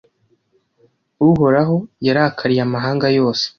Uhoraho yarakariye amahanga yose,